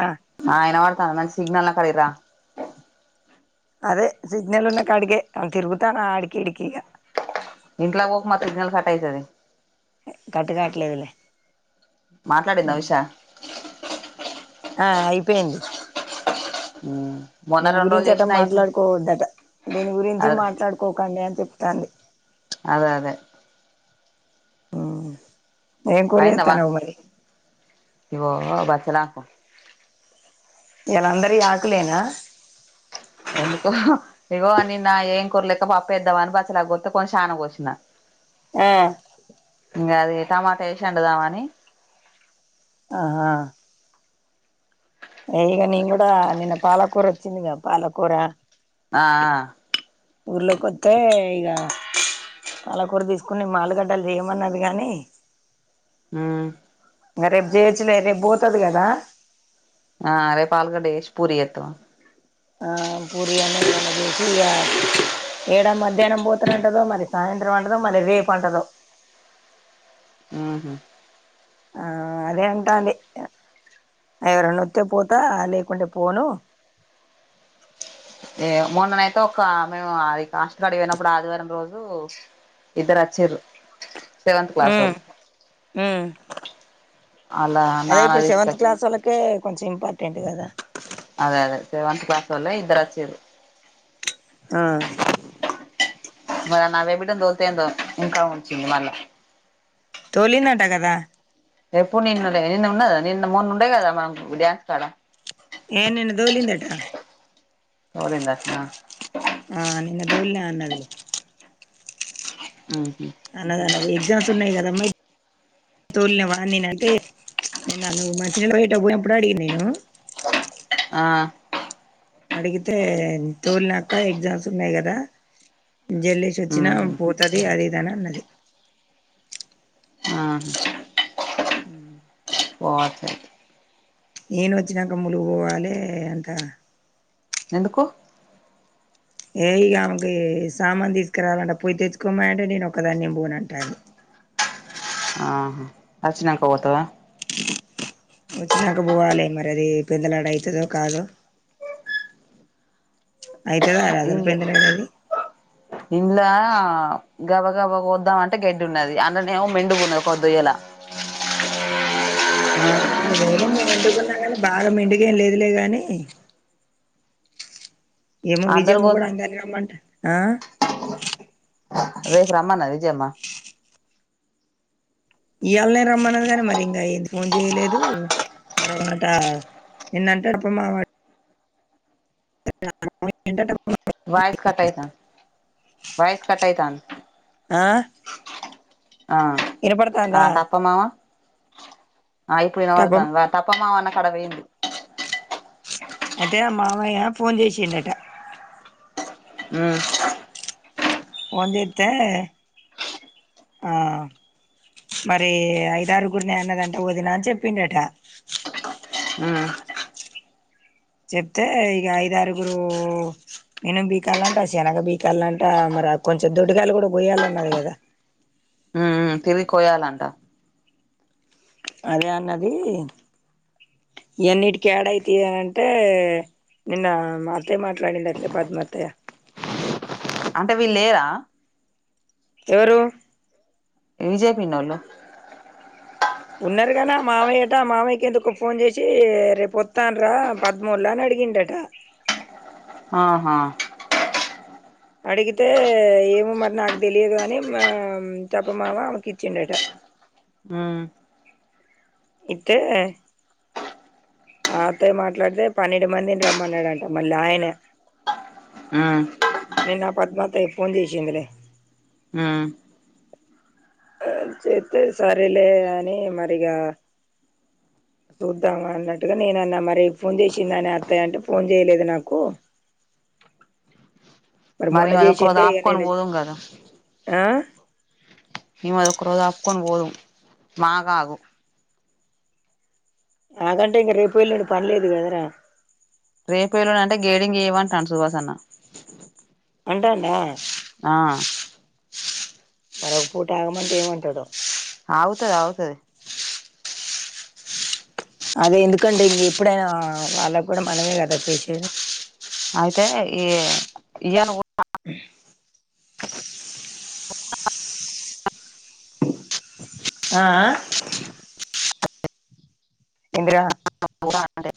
ఆ ఆహ్ వినబడుతుంది మంచి సిగ్నల్ కాడికి రా. అదే సిగ్నల్ ఉన్న కడిగే తిరుగుతున్న అడికి ఇడికిగా. ఇంట్లక్ పోక్ మా సిగ్నల్ కట్ అయితది. కట్టుకాట్లేదులే మాట్లాడిందం విశాల్. ఆహ్ అయిపోయింది. ఉమ్. దీన్ని గురించి అట మాట్లాడుకోవద్దట దీని గురించి అదే మాట్లాడుకోకండి అని చెప్. తంది. అదే అదే. ఉమ్ ఏం కూర అయిందావా జేత్తానవ్ మరి. ఇగో బచ్చలాకు. ఇయలాందరియ్ ఆకులేనా. ఎందుకు ఇగో నిన్నా ఏం కుర్లేక పాప్పేద్దమాని బచ్చలాకు గొత్తే కొంచెం శాన గోష్నా. ఆహ్. ఇంగ అదే టమాటేసి వండుదామని. ఆహా ఇగ నేన్ గూడా నిన్న పాలకూర ఓచ్చిందిగా పాలకూర ఆఅ ఊర్లోకొత్తె ఈగ పలకూర తీస్కొని మాలుగడ్డలు జేయమన్నది గాని మ్మ్ ఇగా రెప్ జేయోచ్చులే రెప్ బొత్తది గదా ఆ రేపలిగడ్డ యేష్ పూరి ఎతవ ఆ పూరి అన్న ఏమన్నా జేషి ఇగా ఏడా మధ్యానం పోతనంటదో మరి సాయంత్రం అంటదో మరే రెప్ అంటదో ఉహ్మ్ ఆ అదే అంటాంది ఆ ఎవరన్నా ఓతే పోతా లేకుంటే పోను ఏ మొన్ననైతే ఒక మేము అడి ఆష్టగాడి వోయినప్పుడు ఆదివారం రోజు ఇద్దరచ్చిరు ఉమ్ ఉమ్ వాళ్ళ అదే నాన్న ఇప్పుడు సెవెంతు తీసుకొచ్చి క్లాసోళ్ళకే కొంచెం ఇంపార్టెంట్ గదా అదే అదే సెవెంత్ క్లాసోల్లె ఇద్దరచ్చిరు ఆ మరే ఆ నవ్య బిడ్డెన్ దొల్తెందో ఇంకా ఉంచింది మళ్ళా తొలిందటా గదా ఎప్పుడు నిన్నుడే నీను ఉన్నదా నిన్న మొన్నుండే గదా మనం డాన్స్ కాడ ఏ నీన్న దోలిందంటా తొలిందట్నా ఆ నిన్న ధోల్నా అన్నదిలే ఆహ అది ఎక్సామ్స్ ఉన్నాయి గాదమ్మా తోలినవ అని నేనంటే నిన్న నవ్వు మంచినీలకు పోయేటాప్పుడు అడిగీ నేను ఆ అడిగితే తోల్నాక ఎగ్జామ్స్ ఉన్నాయి గదా జల్లేషోచ్చినా ఉహు పోతది అది దిద్ అని అన్నది ఆ హా పోతే ఏను ఓచ్చినాక ములుగు వోవాలి అంత ఎందుకు ఏ ఇగా ఆమెకి సామాన్ దీస్కరాలంట పొయ్య తెచ్చుకోమనాంటే నేను ఒక దాన్ని నేన్ బోన్ అంటాంది వచినంకపోతవ ఓచ్చినంక పోవాలి మరి అది పెద్దలానా ఐతదో కాదో ఐతదార అస్సల్ పేందనాడది ఇన్న్ల గబ గబ కోద్దాం అంటే గెడ్డున్నది ఆన్లనేమో మెండుగున్నది కొదోయ్యల అ అన్నిరోజులు మీ ఇండి గుండగానే బాగా ముందుగెం లేదులే గాని ఏమో అందరు విజయమ్మ కో గూడా అందర్నీ రమ్మంటద్ ఆ రేపు రమ్మన్నది విజయమ్మ ఈయల్నే రమ్మన్నది గానీ మరి ఇంగా ఏ ఫోన్ జేయలేదు అవున్ నాంట నిన్నంటడు పో మావాడు [inaudible] వాయిస్ కట్టాయితాంది వాయిస్ కటాయితాంది ఆ ఆ ఆ వినపడతాందా తప్పమామ ఆ ఇప్పుడు పాపం ఇనపడుతాంది తప్పమా అన్న కాడ పొయింది అయితే మావయ్య ఫోన్ జేషిన్డట హ్మ్ ఫోన్ చేత్తే అ మరి ఐదరుగురు నే అన్నదంట వదిన అని చెప్పిండట ఉమ్ చెప్తే ఇగ ఐదారుగురు ఇనం బీకల్ంట శనగ బికాలంట రా కొంచెం దొడ్డుకాయలు కూడా పొయాలన్నది కదా ఉమ్మ్ మ్ తివి కోయాలంట అదే అన్నది ఇయాన్నిటికి ఏడఅయితయే అంటే నిన్న మ అత్తయ్య మాట్లాడింది అట్లే పద్మఅత్తయ్య అంటే విలేదా ఎవరు విజయ పిన్నోళ్లు ఉన్నారుగానా మామయ్యట ఆ మామయ్య ఎందుకొ ఫోన్ చేసి రేపోతాండ్ర పద్మొల్లు అని అడిగ్ డిగిండట అహ అడిగితే ఏమోమారి నాకు తెలియదు కాని మా తప్పమామ ఆమెకు ఇచ్చిండట హ్మ్ ఇత్తే మా అత్తయ్య మాట్లాడితే పన్నెండు మందిని రమ్మన్నడట మళ్ళ ఆయనే ఉమ్ నిన్న పద్మాతయ్య ఫోన్ చేసిందిలే ఉమ్ జేత్తే సరిలే అని మరిగా చూద్దామా అన్నట్టుగా నేన అనమారి ఫోన్ చేసిందానే అత్తయ్య అంటే ఫోన్ చేయలేదు నాకు మరి మొన్న ఈమెది ఒక్క రోజు జీషింటే ఇగ ఆపుకొని నేను పోదుం కదా ఆ ఇమది ఒక రోజు ఆపుకొని పోదుం మాగ ఆగు ఆగంటే ఇంగ రేపు ఎలుండి పనిలేదు కదరా రేపు ఎల్లుండి అంటే గేడింగ్ ఇయమంటుడు సుహాస్ అన్న అంటాండ ఆ మరి ఒక పూట ఆగమంటే ఏమంటాడొ ఆగుతది ఆగుతది అదే ఎందుకంటే ఇంగ ఇప్పుడా వాళ్ళకి కూడా మనమే కదా చేసేది అయితే ఈ ఈయను ఉ ఆ ఆ ఏందిరా అంటే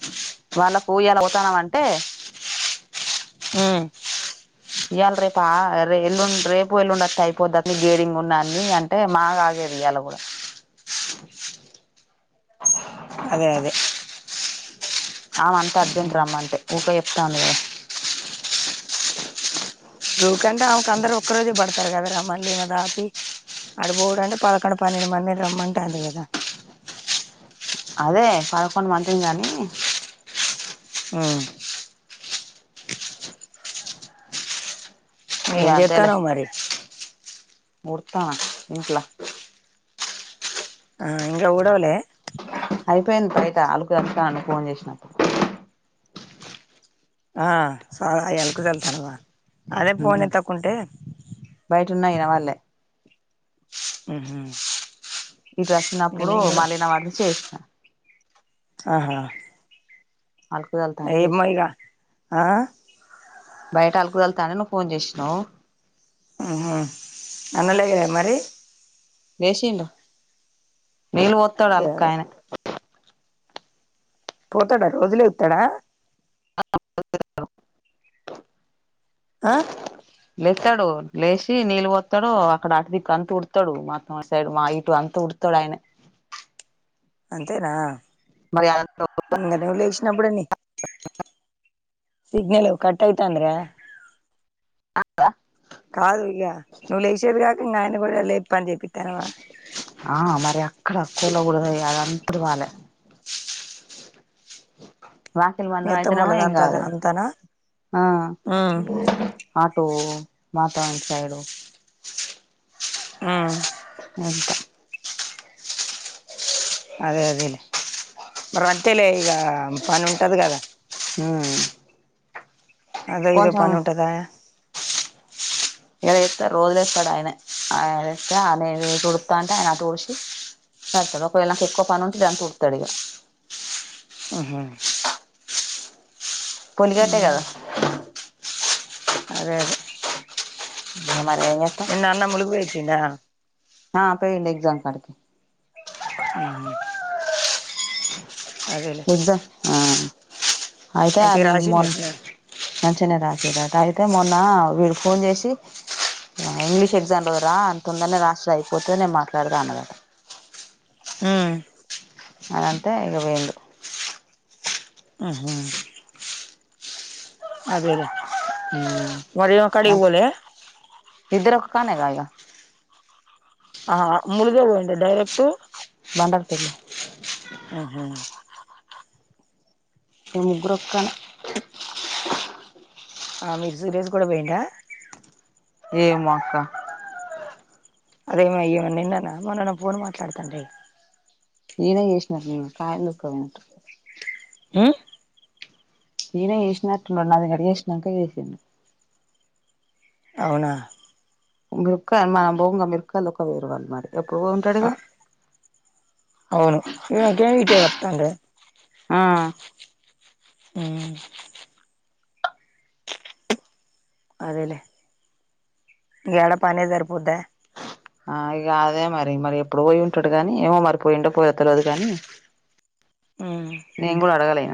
వాళ్లకు ఇయాల పోతనం అంటే ఉహ్మ్ ఇయాల రేపు ఆ ర్ ఎల్లుండి రేపు ఎల్లుండి అత్తే అయిపోతాది గేడింగ్ ఉందని అంటే మాగా ఆ ర్ ఇయాల కూడా అదే అదే అమ అంతే అర్జెంట్ రమ్మంటే ఉకె చెప్తాంది కదా గుకంటే ఆమెకు అందరు ఒక్క రోజే పడతారు కదారా మళ్ళీ దాపి ఆడుబొడ్ అంటే పదకొండు పన్నెండు మంది రమంటాంది కదా అదే పదకొండు మందిని కానీ ఉమ్ ఆ ఎం చేతనావ్ మరి ఊడ్తానా ఇంట్ల ఆ ఇంకా ఊడవలే అయిపోయింది బయట ఆలుకు చాళ్లుతానా ఫోన్ చేస్నప్పుడు ఆ స అల్క్ చల్తనవా అదే పోన్ నేతక్కుంటే బయట ఉన్న ఈయన వాళ్ళే ఊమ్ ఇట్ వచ్చినప్పుడు మలీనా వాడి చే ఆహా ఆళ్కు తాల్తంట ఏమో చేశ్నవ్ ఇగ ఆ బైట అలుకుదల్తానే నువ్వు ఫోన్ చేశ్నవ్ ఆ హ అన్నలే కద మరి లేషిండ్రు నీళ్ళు పోతాడ్ అదే అల్కా అదే అయినా పోతాడా రోజు లేతడా [inaudible] ఆ లేస్తాడు లేచి నీళ్ళు పోతాడు అక్కడ అటు దిక్కు అంత్ ఉడ్తాడు మాత్ సైడ్ మా ఇటు అంత్ తుడ్తాడ్ ఐనే అంతేనా ఇంకా ను లేచినప్పుడేని సిగ్నల్ కట్టాయితాంద్రా అ ఆ కాద్ ఇగ నువ్ లేశేద్ కాక ఇంగ ఆయన్ కూడా లేప్ ఆ మరి అక్కడ్ అక్కోలా కూడ అదంత్ ఇప్పుడువాలా వాకిల్ మీ వందన్ అయితేనేమో అత్తమ్మోళ్ళది అంత ఎంగదు అంతనా ఆ ఉమ్ ఆటో మాతాం సైడ్డు ఊమ్ అంతా అదే అదేలే మరి అంతేలే ఈగ పని ఉంటది కదా హ్మ్ అధో ఇదో పనుంటదా రోజులేస్తాడు ఆయ్నే ఆయ్నేస్తే ఆయ్నే తుడుపుతా అంటే ఆయ్నే తుడిసి సడ్తంది ఒకవేళ నాకు ఎక్కువ్ పని ఉంటే ఇదంతా ఉడుతడ్ ఇగా ఉహ్మ్ పోనీ గట్టే కదా అదే అదే మరి ఏం చేస్తాం నిన్న అన్న ములుగుల్యిచ్చడా ఆ పోయిడ్ ఎగ్జామ్ కడకి ఉమ్ అదేలే ఎగ్జామ్ ఆ అయితే మంచిగ నిం మొన్ రాసిండట్నా నంచిన దాక ఏదోకట్ అయితే మొన్న వీళ్కి ఫోన్ చేసి ఇంగ్లీష్ ఎగ్జామ్ రురా తొందర్నే రాస్తా అయిపోతే నేన్ మాట్లాడ్తా అన్నదంట ఊమ్ అదంతే ఇగా పోయిడు ఉహు అదేలే వారి కడిక్ పోలే కానా గాయ ఆ ముళ్గే పోయింది డైరెక్ట్ టు బండార్తుల్లో ఆహా మీ ముగ్గురు ఒకనే ఆ మీర సురేష్ కూడా పోయేండ ఏమో అక్క అదేమ నిన్నన్న మొన్న ఫోన్ మాట్లాడతానే నిన్నే చేసిన న కాయ దుఃఖనట్ ఉమ్ నేనే చేసినట్టులు అది కట్ వేసినాంక చెస్ అవునా ఆ [unintelligible] అవును ఇగ వాటే వర్తాండ ఆ ఉమ్ అదేలే యాడ పనే సరిపోదా ఆ ఇ అదే మరి మరి ఎప్పుడు పోయి ఉంటాడు కాగానీ ఏమో మరి పోయిండ పోయ తలేదు కాని ఉమ్ నేను కూడా అడుగులే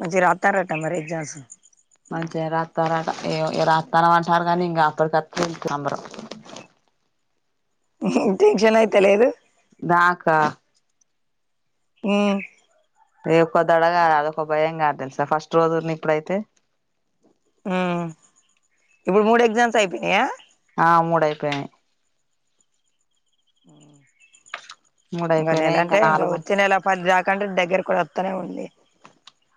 మంచి రాతార అంట మరి ఎగ్జామ్స్ మంచిగా రాస్తార ఏ రాస్తార అంటారు కానీ ఇంకా అప్పటికస్త సంబరం టెన్షన్ అయితే లేదు నాకా ఉమ్మ్ ఏం దడ కాదు భయం కాదు ఫస్ట్ రోజుంది ఇప్పుడైతే ఉమ్ ఇప్పుడు మూడు ఎగ్జామ్స్ అయిపోయినాయా ఆ మూడ అయిపోయినయ్ మూడు ఇగ నెల అయిపోయినాయి అంటే ఇంకా నాలుగు వచ్చే నెల పది దాకంటే దగ్గర కూడా వస్తనే ఉండి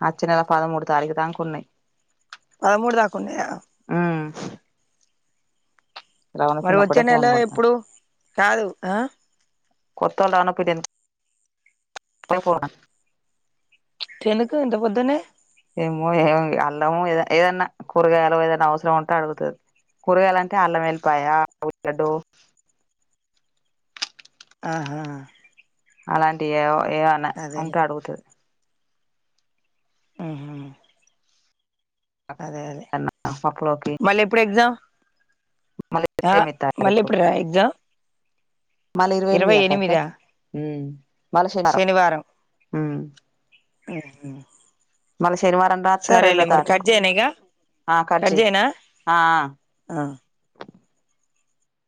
వచ్చే నెల పదమూడు తారీఖ దాకు ఉన్నాయీ పదమూడు దాక ఉన్నాయా ఉమ్ రవణ మరి పిన్ని వచ్చే ఒకటే నెల ఫోన్ కొడతాంది ఎప్పుడు కాదు ఆ కొత్త ఆలా పిడన్ ఇపుడే పోనా ఎందుకు ఇంత పొద్దున్నే ఏమో ఏమో ఇగ అల్లం ఏదో ఏదన్నా కూరగాయలు ఏదన్నా అవసరం ఉంటే అడుగుతాది కూరగాయలంటే అల్లం ఎల్లిపాయ ఉల్లిగాడో ఆహా అలాంటి ఏవో ఎదనా అదేలే ఉంటే అడుగుతుది ఉహు అదే అదే పప్పులోకి మళ్ళీ ఎప్పుడు ఎగ్జామ్ మళ్ళీ ఆ ఇరవై ఎనిమిది మళ్ళీ తారీఖు ఎప్పుడు రా ఎక్సమ్ మళ్ళీ ఇరవై ఎనిమిదాకాక ఉమ్ శనివారం ఉమ్ [unintelligible] మళ్ళ శనివారం రాత్రి రొండో సరేలే మరి తారీక కట్ కు చేయనా ఇగ ఆ కట్ చెయ్ ఆ ఆ ఆ